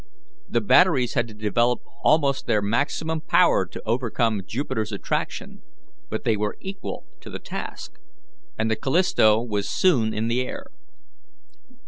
The batteries had to develop almost their maximum power to overcome Jupiter's attraction; but they were equal to the task, and the Callisto was soon in the air.